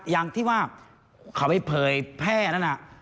อย่างที่ว่าเขาไปเผยแพร่นั้น